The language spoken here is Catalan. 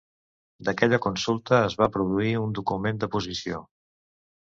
D'aquella consulta es va produir un document de posició.